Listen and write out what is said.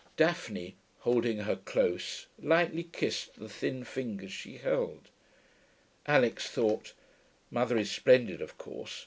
Daphne, holding her close, lightly kissed the thin fingers she held. Alix thought, 'Mother is splendid, of course.